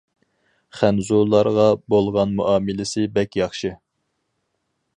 خەنزۇلارغا بولغان مۇئامىلىسى بەك ياخشى.